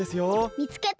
みつけた！